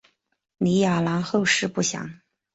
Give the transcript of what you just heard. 李雅郎后事不详。